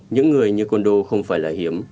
những người như kondo không phải là hiếm